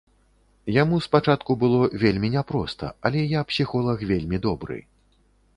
Яму спачатку было вельмі няпроста, але я псіхолаг вельмі добры.